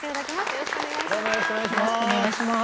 よろしくお願いします。